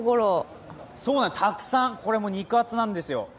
たくさん、肉厚なんです。